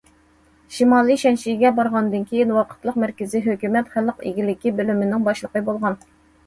شىمالىي شەنشىگە بارغاندىن كېيىن، ۋاقىتلىق مەركىزىي ھۆكۈمەت خەلق ئىگىلىكى بۆلۈمىنىڭ باشلىقى بولغان.